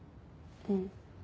うん。